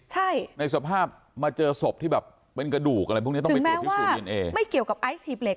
ใช่ในสภาพมาเจอศพที่แบบเป็นกระดูกอะไรพวกนี้ถึงแม้ว่าไม่เกี่ยวกับไอซ์หีบเหล็ก